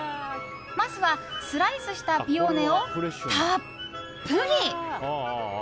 まずは、スライスしたピオーネをたっぷり。